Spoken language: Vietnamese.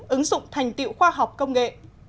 ứng dụng thành tiệu khoa học công nghệ